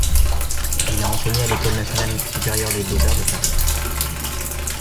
Il a enseigné à l’école nationale supérieure des beaux-arts de Paris.